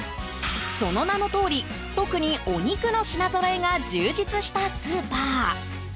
その名のとおり特にお肉の品ぞろえが充実したスーパー。